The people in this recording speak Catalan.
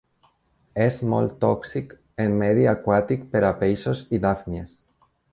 És molt tòxic en medi aquàtic per a peixos i dàfnies.